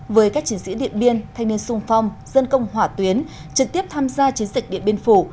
với các chiến sĩ điện biên thanh niên sung phong dân công hỏa tuyến trực tiếp tham gia chiến dịch điện biên phủ